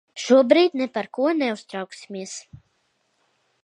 Šobrīd ne par ko neuztrauksimies.